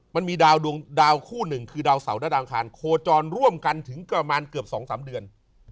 มันมีดาวดวงดาวคู่หนึ่งคือดาวเสาร์และดาวอังคารโคจรร่วมกันถึงประมาณเกือบ๒๓เดือน